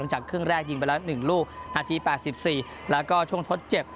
จากครึ่งแรกยิงไปแล้ว๑ลูกนาที๘๔แล้วก็ช่วงทดเจ็บ